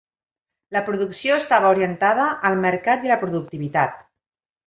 La producció estava orientada al mercat i a la productivitat.